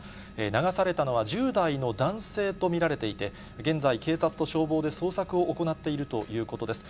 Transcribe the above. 流されたのは１０代の男性と見られていて、現在、警察と消防で捜索を行っているということです。